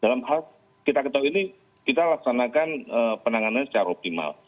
dalam hal kita ketahui ini kita laksanakan penanganan secara optimal